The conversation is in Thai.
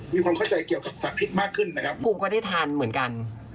มีความเข้าใจเกี่ยวกับสัตว์พิษมากขึ้นนะครับภูมิก็ได้ทานเหมือนกัน